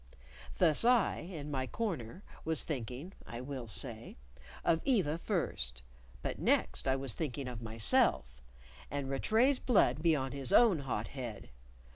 Thus I, in my corner, was thinking (I will say) of Eva first; but next I was thinking of myself; and Rattray's blood be on his own hot head!